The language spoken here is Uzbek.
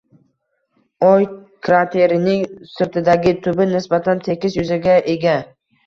Oy kraterining sirtidagi tubi nisbatan tekis yuzaga ega